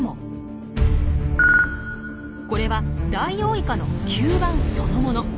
これはダイオウイカの吸盤そのもの。